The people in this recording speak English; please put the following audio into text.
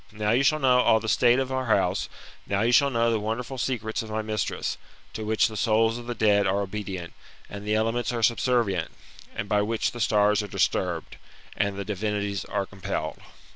Now you shall know all the state of our bouse; now you shall know the wonderful secrets of my mistress, to which the souls of the dead are obedient, and the elements are subsenrient, and by which the stars are disturbed, and the divinities are compelled.